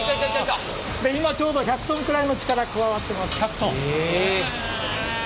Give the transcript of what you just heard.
今ちょうど１００トンくらいの力加わってます。